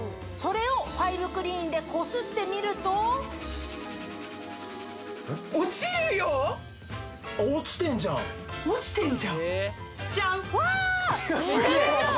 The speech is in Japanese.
それをファイブクリーンでこすってみると落ちてんじゃん落ちてんじゃんジャンすげえ！